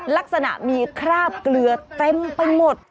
ลักษณะมีคราบเกลือเต็มไปหมด